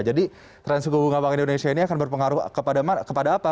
jadi tren suku bunga bank indonesia ini akan berpengaruh kepada apa